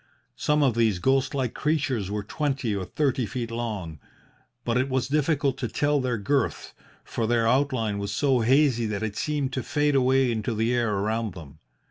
Some of these ghost like creatures were twenty or thirty feet long, but it was difficult to tell their girth, for their outline was so hazy that it seemed to fade away into the air around them.